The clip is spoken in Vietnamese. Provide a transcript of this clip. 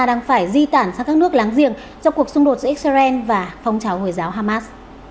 đang phải di tản sang các nước láng giềng trong cuộc xung đột giữa israel và phong trào hồi giáo hamas